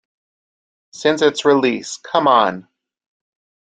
Since its release, Come On!